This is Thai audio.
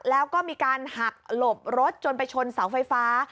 แล้วก็มีการหักหลบรถจนไปชนเสาไฟฟ้า